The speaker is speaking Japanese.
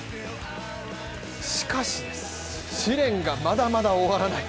しかし、試練がまだまだ終わらない。